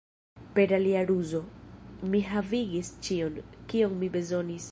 Per alia ruzo, mi havigis ĉion, kion mi bezonis.